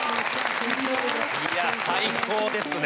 いや最高ですね。